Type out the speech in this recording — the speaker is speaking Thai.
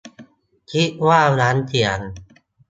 คิดว่าน้ำเสียง